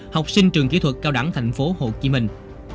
học sinh trường kỹ thuật cao đẳng thành phố hồ chí minh